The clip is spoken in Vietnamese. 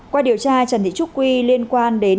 qua điều tra trần thị trúc quy liên quan đến